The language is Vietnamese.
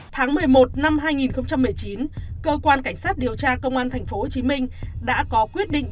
tháng một mươi một năm hai nghìn một mươi chín cơ quan cảnh sát điều tra công an tp hcm đã có quyết định